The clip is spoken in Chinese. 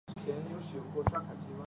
这就是容庚。